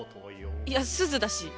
いやすずだし。